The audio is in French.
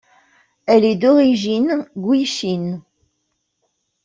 Elle est d'origine Gwich’in.